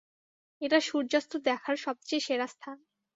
এটা সূর্যাস্ত দেখার সবচেয়ে সেরা স্থান।